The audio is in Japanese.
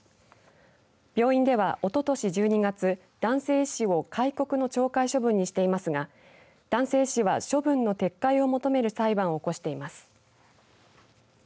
病院では、おととし１２月男性医師を戒告の懲戒処分にしていますが男性医師は処分の撤回を求める裁判を起こしています。